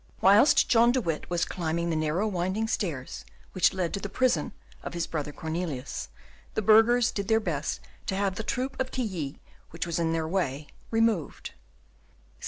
Whilst John de Witt was climbing the narrow winding stairs which led to the prison of his brother Cornelius, the burghers did their best to have the troop of Tilly, which was in their way, removed.